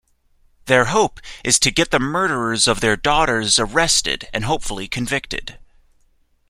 Their hope is to get the murderers of their daughters arrested and hopefully convicted.